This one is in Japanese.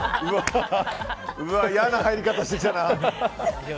嫌な入り方してきたな。